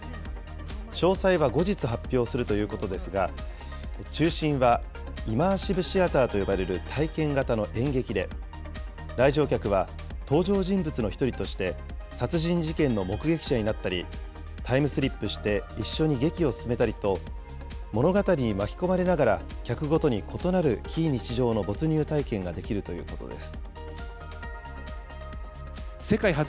詳細は後日発表するということですが、中心はイマーシブシアターと呼ばれる体験型の演劇で、来場客は登場人物の一人として、殺人事件の目撃者になったり、タイムスリップして一緒に劇を進めたりと、物語に巻き込まれながら、客ごとに異なる非日常の没入体験ができるということです。